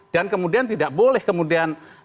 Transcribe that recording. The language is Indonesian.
kemudian tidak boleh kemudian